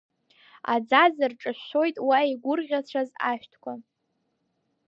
Аӡаӡа рҿышәшәоит уа игәырӷьацәаз ашәҭқәа.